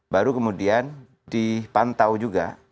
baru kemudian dipantau juga